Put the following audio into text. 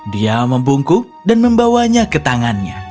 dia membungkuk dan membawanya ke tangannya